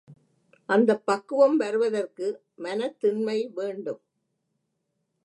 அந்தப் பக்குவம் வருவதற்கு மனத்திண்மை வேண்டும்.